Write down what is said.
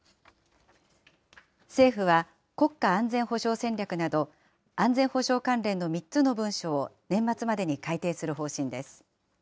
政府は、国家安全保障戦略など、安全保障関連の３つの文書を年末までに改定する方針です。